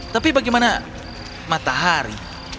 tapi bagaimana matahari